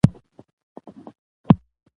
مس د افغانستان د اجتماعي جوړښت برخه ده.